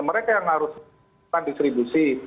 mereka yang harus distribusi